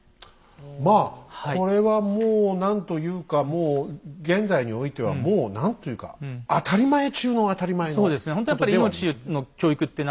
まあこれはもう何というか現在においてはもう何というか当たり前中の当たり前のことではありますね。